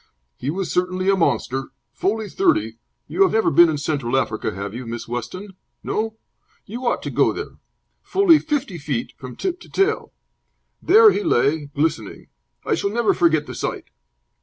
He was certainly a monster fully thirty you have never been in Central Africa, have you, Miss Weston? No? You ought to go there! fully fifty feet from tip to tail. There he lay, glistening. I shall never forget the sight."